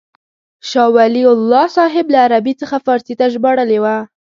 شاه ولي الله صاحب له عربي څخه فارسي ته ژباړلې وه.